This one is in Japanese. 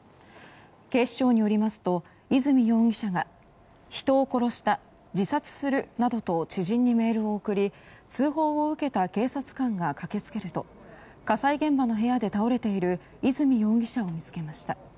警視庁によりますと泉容疑者が人を殺した、自殺するなどと知人にメールを送り通報を受けた警察官が駆け付けると火災現場の部屋で倒れている泉容疑者を見つけました。